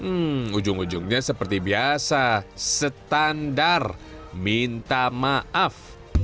hmm ujung ujungnya seperti biasa standar minta maaf